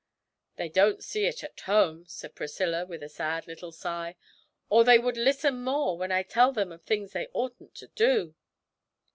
'They don't see it at home!' said Priscilla, with a sad little sigh, 'or they would listen more when I tell them of things they oughtn't to do.'